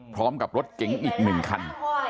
พร้อมกับรถเก๋งอีก๑คัน